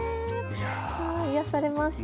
癒やされました。